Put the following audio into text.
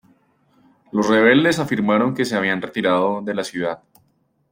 Los rebeldes afirmaron que se habían retirado de la ciudad.